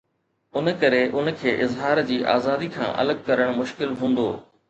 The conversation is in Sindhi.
ان ڪري ان کي اظهار جي آزادي کان الڳ ڪرڻ مشڪل هوندو.